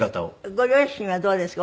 ご両親はどうですか？